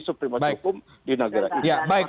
supremasi hukum di negara ini